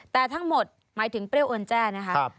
แต่ทั้งหมดหมายถึงเปรี้ยวโอนแจ้นะคะ